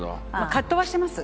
葛藤はしてます。